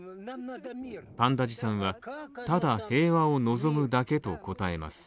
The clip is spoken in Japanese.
パンダジさんはただ平和を望むだけと答えます。